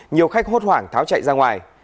nhiều khách hốt hoảng tháo chạy ra ngoài